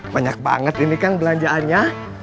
banyak banget ini kan belanjaannya